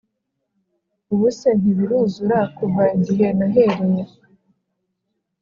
Ubuse ntibiruzura kuva igihe nahereye